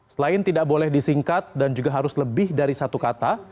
selain tidak boleh disingkat dan juga harus lebih dari satu kata